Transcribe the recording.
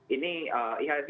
ini ihsg masih diperhatikan